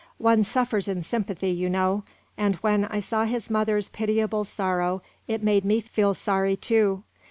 One suffers in sympathy, you know, and, when I saw his mother's pitiable sorrow, it made me feel sorry too.